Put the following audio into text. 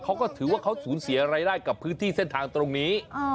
เขาก็ถือว่าเขาสูญเสียรายได้กับพื้นที่เส้นทางตรงนี้